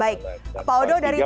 baik paodo dari tadi